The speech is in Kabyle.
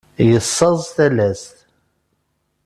Yessaẓ talast.